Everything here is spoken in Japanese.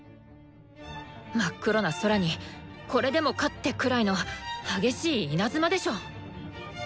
真っ黒な空にこれでもかってくらいの激しい稲妻でしょ！